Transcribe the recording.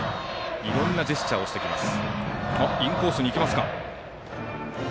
いろんなジェスチャーをしてきます。